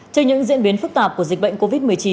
trên những diễn biến phức tạp của dịch bệnh covid một mươi chín